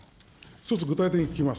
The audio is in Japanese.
一つ具体的に聞きます。